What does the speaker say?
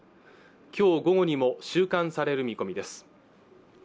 きょう午後にも収監される見込みです